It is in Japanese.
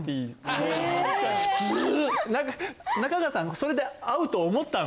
中川さんもそれで合うと思ったの？